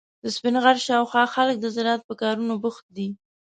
د سپین غر شاوخوا خلک د زراعت په کارونو بوخت دي.